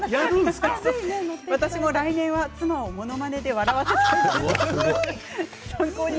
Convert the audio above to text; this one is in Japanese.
私も来年は妻をものまねで笑わせたいです。